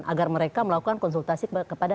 agar mereka melakukan konsultasi kepada